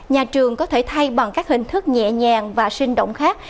nhà trường có thể thay bằng các hình thức nhẹ nhàng và sinh động khác